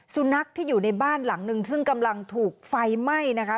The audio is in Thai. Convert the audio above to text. สุนัขที่อยู่ในบ้านหลังนึงซึ่งกำลังถูกไฟไหม้นะคะ